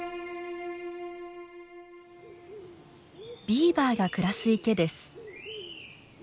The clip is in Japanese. ビーバーが暮らす池です。